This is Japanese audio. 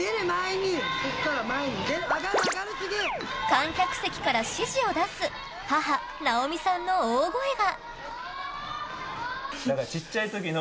観客席から指示を出す母・直美さんの大声が。